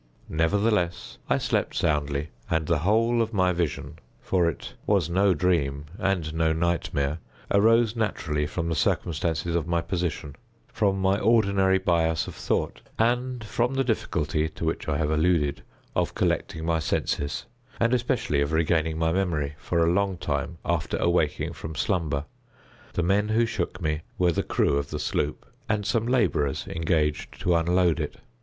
Nevertheless, I slept soundly, and the whole of my vision—for it was no dream, and no nightmare—arose naturally from the circumstances of my position—from my ordinary bias of thought—and from the difficulty, to which I have alluded, of collecting my senses, and especially of regaining my memory, for a long time after awaking from slumber. The men who shook me were the crew of the sloop, and some laborers engaged to unload it.